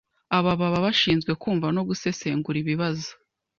Aba baba bashinzwe kumva no gusesengura ibibazo